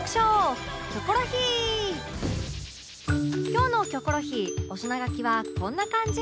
今日の『キョコロヒー』お品書きはこんな感じ